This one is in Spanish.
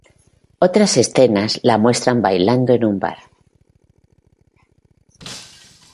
Otras escenas la muestran bailando en un bar.